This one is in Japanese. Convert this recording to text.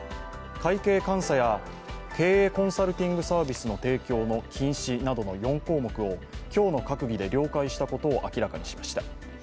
会計・監査や経営コンサルティングサービスの提供の禁止などの４項目を今日の閣議で了解したことを明らかにしました。